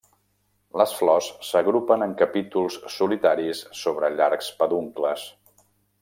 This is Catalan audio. Les flors s'agrupen en capítols solitaris sobre llargs peduncles.